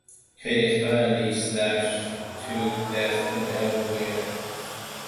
Kate is violently slashed to death in the elevator.